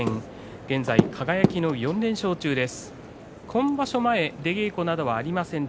現在、輝の４連勝中です。